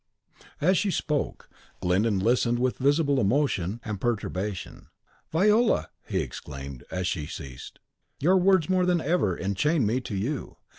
As she spoke, Glyndon listened with visible emotion and perturbation. "Viola!" he exclaimed, as she ceased, "your words more than ever enchain me to you.